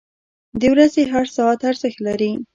• د ورځې هر ساعت ارزښت لري.